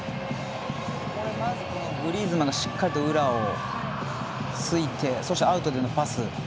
まず、グリーズマンがしっかりと裏を突いてそしてアウトでのパス。